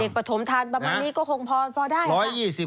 ปฐมทานประมาณนี้ก็คงพอได้